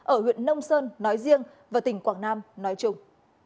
ở huyện nông sơn nói riêng và tỉnh quảng nam nói chung